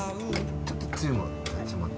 ちょっとつゆも。